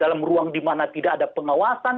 dalam ruang di mana tidak ada pengawasan